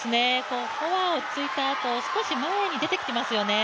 フォアとついたあと、少し前に出てきていますよね。